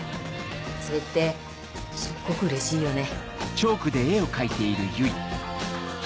それってすっごくうれしいよね。